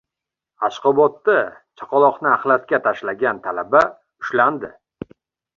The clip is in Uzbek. Ashxobodda chaqaloqni axlatga tashlagan talaba ushlandi